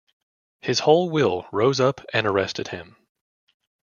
His whole will rose up and arrested him.